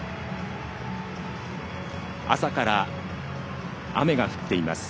朝から雨が降っています。